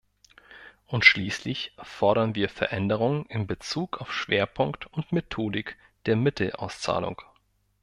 Und schließlich fordern wir Veränderungen in bezug auf Schwerpunkt und Methodik der Mittelauszahlung.